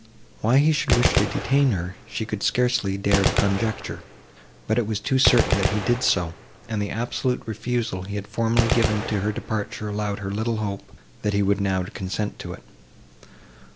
Why he should wish to detain her, she could scarcely dare to conjecture; but it was too certain that he did so, and the absolute refusal he had formerly given to her departure allowed her little hope, that he would now consent to it.